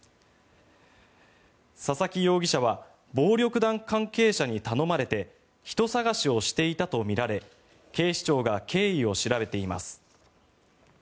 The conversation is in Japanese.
佐々木容疑者は暴力団関係者に頼まれて人捜しをしていたとみられ警視庁が経緯を調べています。